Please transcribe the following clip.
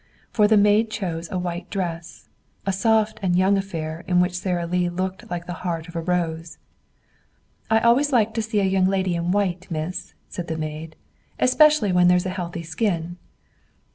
For the maid chose a white dress, a soft and young affair in which Sara Lee looked like the heart of a rose. "I always like to see a young lady in white, miss," said the maid. "Especially when there's a healthy skin."